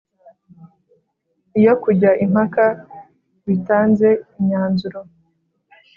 Iyo kujya impaka bitanze imyanzuro